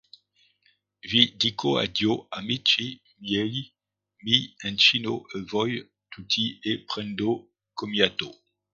Vi dico addio amici miei, mi inchino a voi tutti e prendo commiato.